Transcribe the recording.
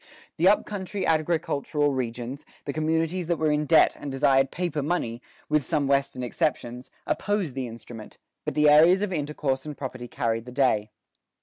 The up country agricultural regions, the communities that were in debt and desired paper money, with some Western exceptions, opposed the instrument; but the areas of intercourse and property carried the day.